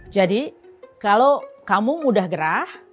jadi kalau kamu mudah gerah